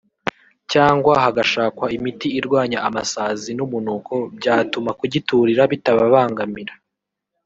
cyangwa hagashakwa imiti irwanya amasazi n’umunuko byatuma kugiturira bitababangamira